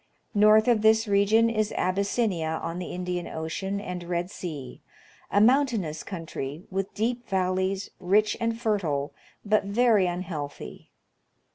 North of this region is Abyssinia on the Indian Ocean and Red Sea, — a mountainous country with deep valleys, rich and fertile, but very unhealthy.